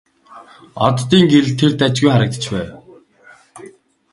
Оддын гэрэлд тэр дажгүй харагдаж байв.